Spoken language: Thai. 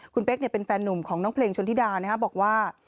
คุณเป๊กเป็นแฟนหนุ่มของน้องเพลงชนธิดาบอกว่า